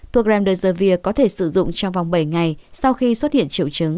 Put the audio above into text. thuốc rendeservir có thể sử dụng trong vòng bảy ngày sau khi xuất hiện triệu chứng